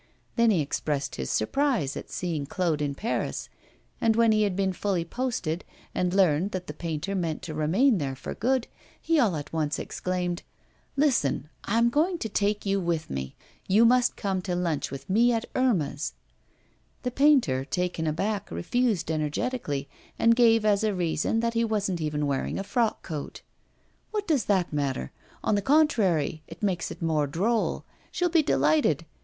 Then he expressed his surprise at seeing Claude in Paris, and, when he had been fully posted, and learned that the painter meant to remain there for good, he all at once exclaimed: 'Listen, I am going to take you with me. You must come to lunch with me at Irma's.' The painter, taken aback, refused energetically, and gave as a reason that he wasn't even wearing a frock coat. 'What does that matter? On the contrary, it makes it more droll. She'll be delighted.